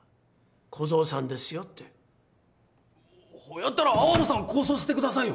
小僧さんですよってほやったら粟野さん交渉してくださいよ！